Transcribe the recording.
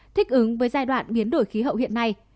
thích ứng với giai đoạn biến đổi khí hậu hiện nay